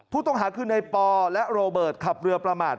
ผู้ต้องหาคือในปอและโรเบิร์ตขับเรือประมาท